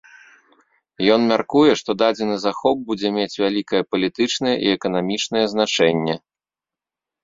Ён мяркуе, што дадзены захоп будзе мець вялікае палітычнае і эканамічнае значэнне.